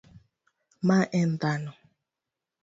ma en dhano